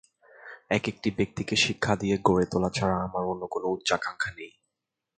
এক-একটি ব্যক্তিকে শিক্ষা দিয়ে গড়ে তোলা ছাড়া আমার অন্য কোন উচ্চাকাঙ্ক্ষা নেই।